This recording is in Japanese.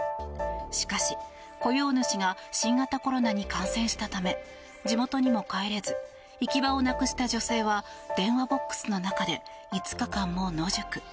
しかし、雇用主が新型コロナに感染したため地元にも帰れず行き場をなくした女性は電話ボックスの中で５日間も野宿。